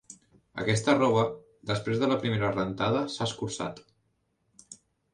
Aquesta roba, després de la primera rentada s'ha escurçat.